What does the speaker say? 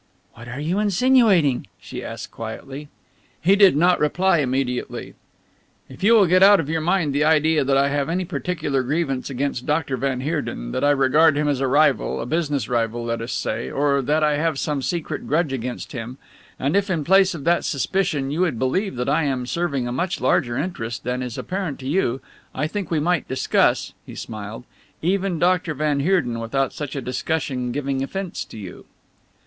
"What are you insinuating?" she asked quietly. He did not reply immediately. "If you will get out of your mind the idea that I have any particular grievance against Doctor van Heerden, that I regard him as a rival, a business rival let us say, or that I have some secret grudge against him, and if in place of that suspicion you would believe that I am serving a much larger interest than is apparent to you, I think we might discuss" he smiled "even Doctor van Heerden without such a discussion giving offence to you."